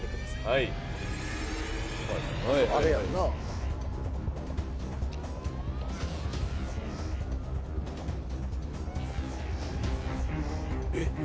はいあれやんなえっ？